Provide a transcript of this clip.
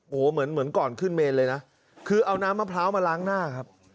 โอ้โหเหมือนเหมือนก่อนขึ้นเมนเลยนะคือเอาน้ำมะพร้าวมาล้างหน้าครับ